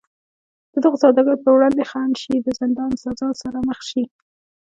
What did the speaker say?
د دغو سوداګرو پر وړاندې خنډ شي د زندان سزا سره مخ شي.